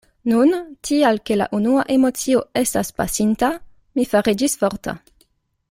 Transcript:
Nun, tial ke la unua emocio estas pasinta, mi fariĝis forta.